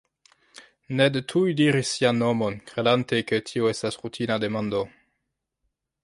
Ned tuj diris sian nomon, kredante ke tio estas rutina demando.